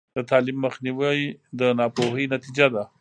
د تعلیم مخنیوی د ناپوهۍ نتیجه ده.